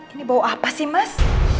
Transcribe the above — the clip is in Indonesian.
ini bau apa sih mas